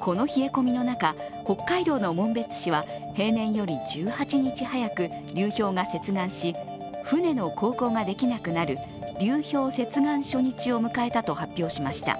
この冷え込みの中、北海道の紋別市は平年より１８日早く流氷が接岸し、船の航行ができなくなる流氷接岸初日を迎えたと発表しました。